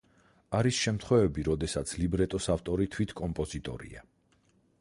არის შემთხვევები, როდესაც ლიბრეტოს ავტორი თვით კომპოზიტორია.